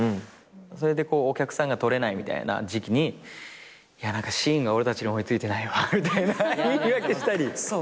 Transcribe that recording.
それでお客さんがとれないみたいな時期に「いや何かシーンが俺たちに追い付いてないわ」みたいな言い訳したり。